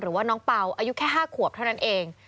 หรือว่าน้องเป่าอายุแค่๕ขวบเท่านั้นเอง